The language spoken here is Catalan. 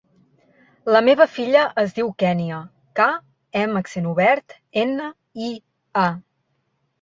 La meva filla es diu Kènia: ca, e amb accent obert, ena, i, a.